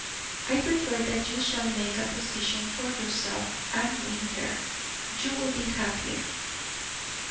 I prefer that you shall make a position for yourself, and win her; you will be happier."